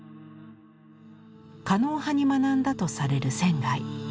狩野派に学んだとされる仙。